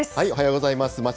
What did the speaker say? おはようございます。